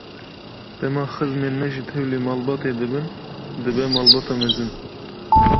Dema xizmên me jî tevlî malbatê dibin, dibe malbata mezin.